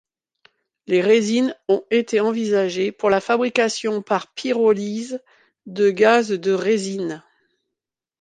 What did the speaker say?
Les résines ont été envisagées pour la fabrication par pyrolyse de gaz de résine.